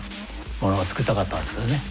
ものを作りたかったんですけどね。